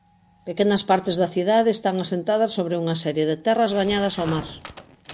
Pequenas partes da cidade están asentadas sobre unha serie de terras gañadas ao mar.